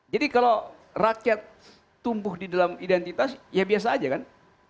jadi kalau rakyat tumbuh di dalam identitas ya biasa saja kan